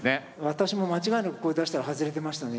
私も間違いなくここで出したら外れてましたね。